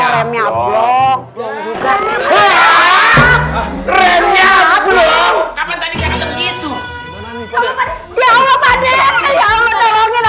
ya masuk gua kalau siapa pasang racc agak taman aja yuk